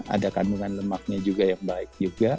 ada kandungan lemaknya juga yang baik juga